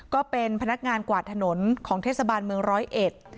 ก็เป็นพนักงานกวาดถนนของเทศบาลเมืองร้อยเอ็ด